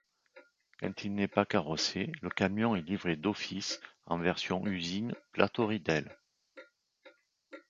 Quand il n'est pas carrossé, le camion est livré d'office en version usine plateau-ridelles.